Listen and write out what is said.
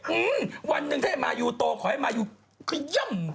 อืมวันหนึ่งถ้าให้มายูโตขอให้มายูขย่ำ